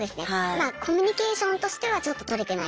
まあコミュニケーションとしてはちょっととれてない。